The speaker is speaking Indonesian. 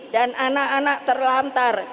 dan anak anak terlantar